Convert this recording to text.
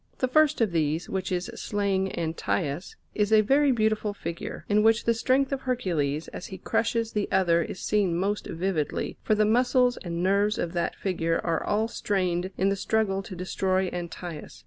The first of these, which is slaying Antaeus, is a very beautiful figure, in which the strength of Hercules as he crushes the other is seen most vividly, for the muscles and nerves of that figure are all strained in the struggle to destroy Antaeus.